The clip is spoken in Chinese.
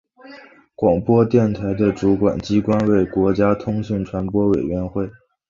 广播电台的主管机关为国家通讯传播委员会。